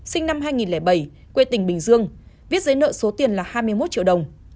sinh năm hai nghìn bảy quê tỉnh bình dương viết giấy nợ số tiền là hai mươi một triệu đồng